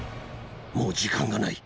もう時間がない。